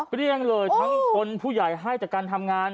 เกลี้ยงเลยทั้งคนผู้ใหญ่ให้จากการทำงาน